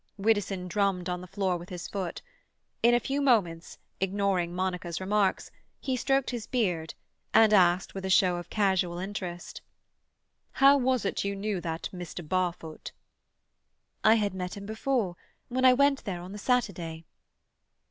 Widdowson drummed on the floor with his foot. In a few moments, ignoring Monica's remarks, he stroked his beard, and asked, with a show of casual interest— "How was it you knew that Mr. Barfoot?" "I had met him before—when I went there on the Saturday."